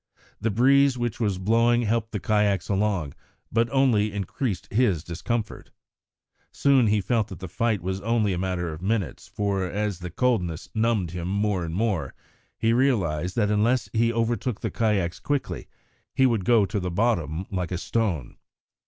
The breeze which was blowing helped the kayaks along, but only increased his discomfort. Soon he felt that the fight was only a matter of minutes for as the coldness numbed him more and more, he realised that unless he overtook the kayaks quickly he would go to the bottom like a stone.